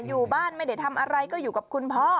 อยู่บ้านไม่ได้ทำอะไรก็อยู่กับคุณพ่อ